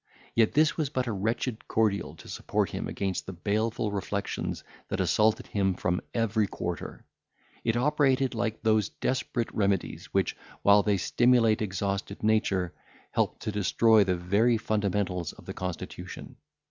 Yet this was but a wretched cordial to support him against the baleful reflections that assaulted him from every quarter; it operated like those desperate remedies, which, while they stimulate exhausted nature, help to destroy the very fundamentals of the constitution.